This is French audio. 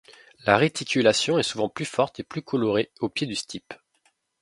La réticulation est souvent plus forte et plus colorée au pied du stipe.